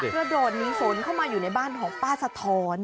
เพื่อดอดมีสนเข้ามาอยู่ในบ้านของป้าสะท้อน